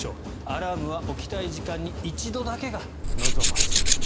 アラームは起きたい時間に一度だけが望ましい。